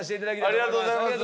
ありがとうございます。